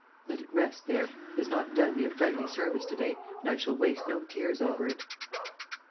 Let it rest there. It has not done me a friendly service to day and I shall waste no tears over it."